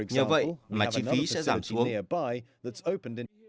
nhờ vậy mà chi phí sẽ giảm xuống